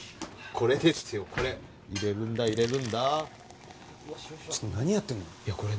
これですよこれ入れるんだ入れるんだ何やってんの？